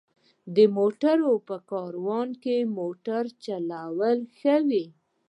د موټرونو په کاروان کې موټر چلول ښه وي.